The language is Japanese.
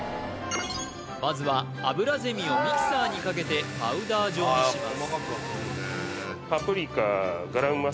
まずはアブラゼミをミキサーにかけてパウダー状にします